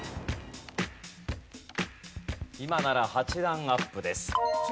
今なら８段アップです。